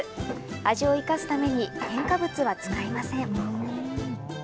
味を生かすために、添加物は使いません。